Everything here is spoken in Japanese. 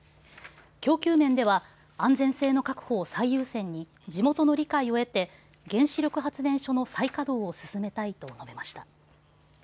供給面では安全性の確保を最優先に地元の理解を得て原子力発電所の再稼働を進めたいと述べました。